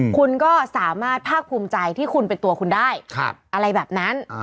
คุณก็สามารถภาคภูมิใจที่คุณเป็นตัวคุณได้อะไรแบบนั้น